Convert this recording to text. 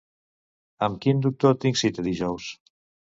Amb quin doctor tinc cita dijous?